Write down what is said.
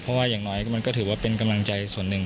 เพราะว่าอย่างน้อยมันก็ถือว่าเป็นกำลังใจส่วนหนึ่ง